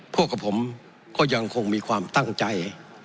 พวกกับผมก็ยังคงมีความตั้งใจ